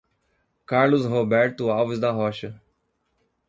Carlos Roberto Alves da Rocha